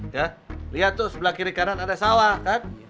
ya lihat tuh sebelah kiri kanan ada sawah kan